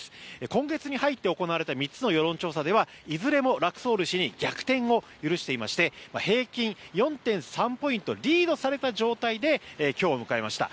今月に入って行われた３つの世論調査ではいずれもラクソール氏に逆転を許していまして平均４．３ポイントリードされた状態で今日を迎えました。